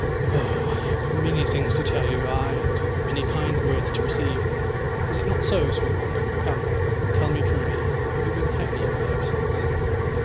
Oh! I have many things to tell you; aye! and many kind words to receive; is it not so, sweet one? Come, tell me truly, have you been happy in my absence?